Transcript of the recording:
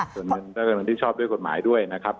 ส่วนเงินที่ชอบด้วยกฎหมายด้วยนะครับ